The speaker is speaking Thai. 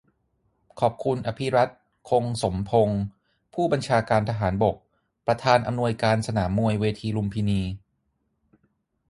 ขอบคุณ อภิรัชต์ คงสมพงษ์ ผู้บัญชาการทหารบก ประธานอำนวยการสนามมวยเวทีลุมพินี